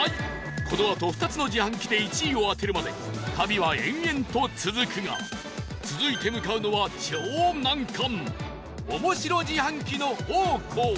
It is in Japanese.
このあと２つの自販機で１位を当てるまで旅は延々と続くが続いて向かうのは超難関おもしろ自販機の宝庫